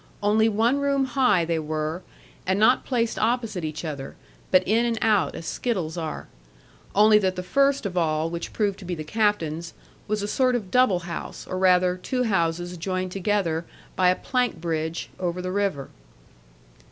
Only one room high they were, and not placed opposite each other, but in and out as skittles are; only that the first of all, which proved to be the captain's, was a sort of double house, or rather two houses joined together by a plank bridge, over the river.